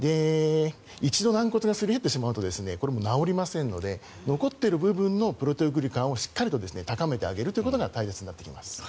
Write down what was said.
一度、軟骨がすり減ってしまうとこれはもう治りませんので残っている部分のプロテオグリカンをしっかり高めてあげることが大切になってきます。